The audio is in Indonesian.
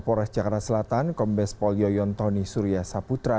kepala polres jakarta selatan kombes pol yoyon tony surya saputra